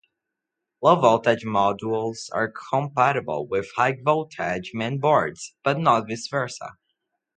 Low voltage modules are compatible with high voltage mainboards, but not vice versa.